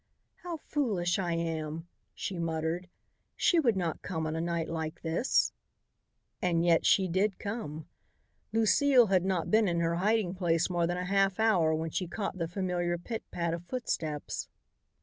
"How foolish I am!" she muttered. "She would not come on a night like this." And yet she did come. Lucile had not been in her hiding place more than a half hour when she caught the familiar pit pat of footsteps.